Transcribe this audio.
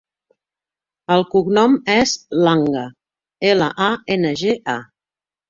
El cognom és Langa: ela, a, ena, ge, a.